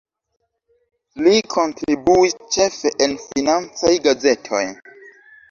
Li kontribuis ĉefe en financaj gazetoj.